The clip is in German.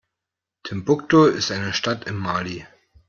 Timbuktu ist eine Stadt in Mali.